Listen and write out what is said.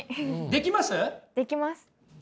できます。